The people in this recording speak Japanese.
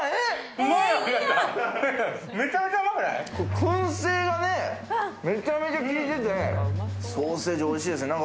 薫製がね、めちゃくちゃ効いてて、ソーセージおいしいですね。